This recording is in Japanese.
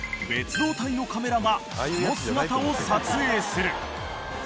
別動隊のカメラがその姿を撮影する］